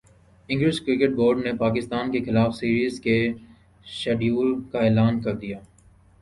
English cricket board نے پاکستان کیخلاف series کے شیڈول کا اعلان کر دیا